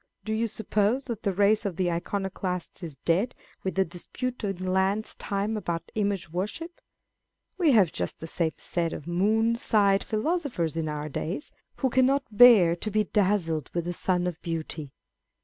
Do you suppose that the race of the Iconoclasts is dead with the dispute in Laud's time about image worship ? We have just the same set of moon eyed philosophers in our days, who cannot bear to be dazzled with the sun of beauty.